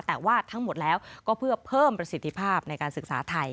แต่ว่าทั้งหมดแล้วก็เพื่อเพิ่มประสิทธิภาพในการศึกษาไทย